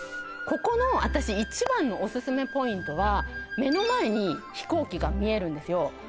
ここの私一番のオススメポイントは目の前に飛行機が見えるんですよ